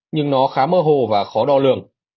nhưng nó khá mơ hồ và khó đo lường